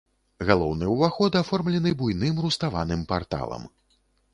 Галоўны ўваход аформлены буйным руставаным парталам.